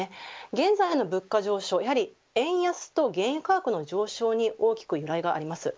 現在の物価上昇、やはり円安と原油価格の上昇に大きく揺らいがあります。